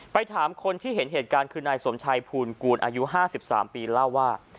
ถามคนที่เห็นเหตุการณ์คือนายสมชัยภูลกูลอายุ๕๓ปีเล่าว่า